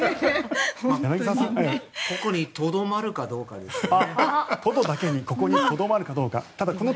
ここにトドまるかどうかでしょうね。